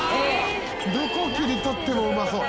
どこ切り取ってもうまそう。